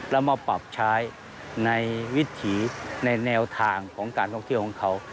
แล้วมาปรับใช้ในวิถีในแนวทางของการท่องเที่ยวของเขา